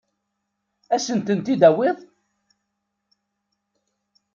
Ad asent-tent-id-tawiḍ?